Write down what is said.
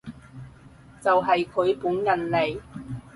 就係佢本人嚟